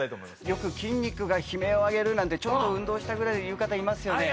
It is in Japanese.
よく筋肉が悲鳴を上げるなんてちょっと運動をしたぐらいでいう方いますよね